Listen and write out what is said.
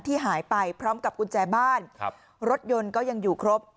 หายไปพร้อมกับกุญแจบ้านครับรถยนต์ก็ยังอยู่ครบ